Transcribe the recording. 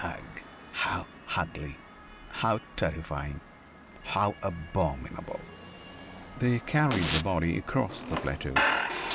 "Ugh! How ugly. How terrifying. How abominable." They carried the body across the plateau.